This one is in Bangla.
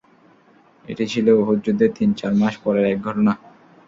এটি ছিল উহুদ যুদ্ধের তিন-চার মাস পরের এক ঘটনা।